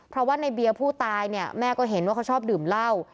เพราะว่าในเบียร์ผู้ตายเนี่ยแม่ก็เห็นว่าเขาชอบดื่มเหล้า